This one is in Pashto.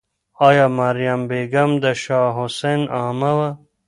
آیا مریم بیګم د شاه حسین عمه وه؟